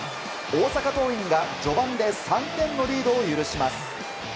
大阪桐蔭が序盤で３点のリードを許します。